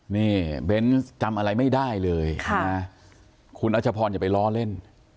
นี่เบนจำอะไรไม่ได้เลยนะคุณอาจจะพออย่าไปร้อยเล่น